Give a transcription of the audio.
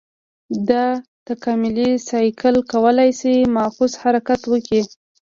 دا تکاملي سایکل کولای شي معکوس حرکت وکړي.